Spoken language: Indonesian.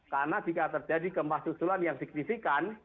karena jika terjadi gempa susulan yang signifikan